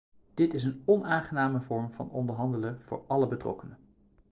Dat is een onaangename vorm van onderhandelen voor alle betrokkenen.